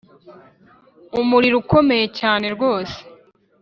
Umuriro ukomeye cyane rwose